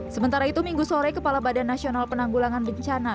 sementara itu minggu sore kepala badan nasional penanggulangan bencana